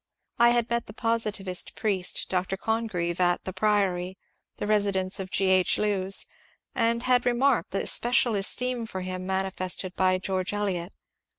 I had met the positivist priest, Dr. Congreve, at "The Priory," the residence of G. H. Lewes, and had remarked the especial esteem for him mani fested by Greorge Eliot.